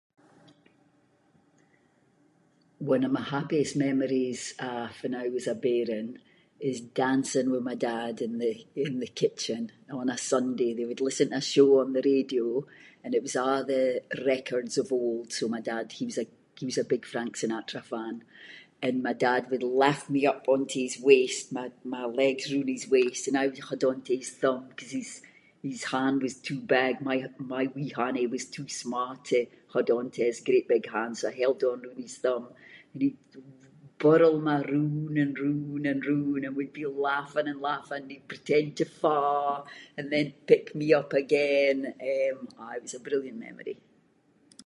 One of my happiest memories of fann I was a bairn is dancing with my dad in the- in the kitchen on a Sunday, they would listen to a show on the radio, and it was a’ the records of old, so my dad- he was a- he was a big Frank Sinatra fan, and my dad would lift me up onto his waist, my- my legs roond his waist and I would hold on to his thumb, ‘cause his- his hand was too big, my- my wee hannie was too sma' to hold onto his great big hands, so I held onto his thumb and he would whirl me roond and roond and roond and we’d be laughing and laughing, he’d pretend to fa’, and then pick me up again, eh, aye it was a brilliant memory.